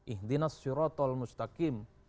ih dinas syurotol mustakim